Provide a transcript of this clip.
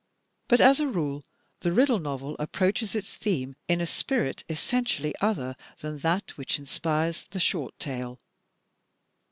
But, as a rule, the riddle novel approaches its theme in a spirit essentially other than that which inspires the short tale.